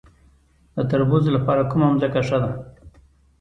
د تربوز لپاره کومه ځمکه ښه ده؟